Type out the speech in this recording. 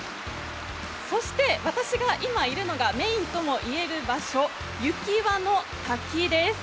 そして私が今いるのはメーンとも言える場所、雪輪の滝です。